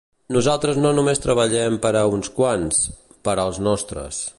Nosaltres no només treballarem per a uns quants, per ‘als nostres’.